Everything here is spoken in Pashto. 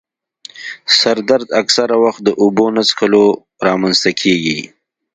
سر درد اکثره وخت د اوبو نه څیښلو رامنځته کېږي.